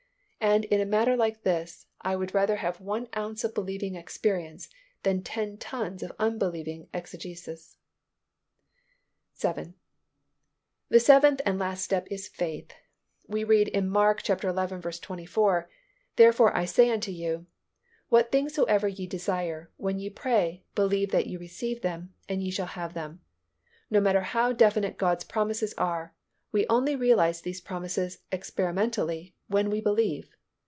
And in a matter like this, I would rather have one ounce of believing experience than ten tons of unbelieving exegesis. 7. The seventh and last step is faith. We read in Mark xi. 24, "Therefore I say unto you, What things soever ye desire, when ye pray, believe that ye receive them and ye shall have them." No matter how definite God's promises are, we only realize these promises experimentally when we believe.